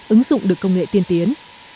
ứng dụng được công nghệ tiên tiến